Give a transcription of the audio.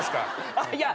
あっいや。